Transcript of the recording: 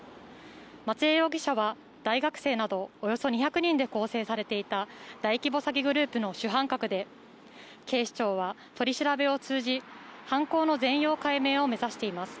松江容疑者は、大学生などおよそ２００人で構成されていた大規模詐欺グループの主犯格で警視庁は取り調べを通じ犯行の全容解明を目指しています。